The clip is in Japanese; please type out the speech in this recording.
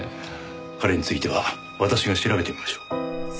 彼については私が調べてみましょう。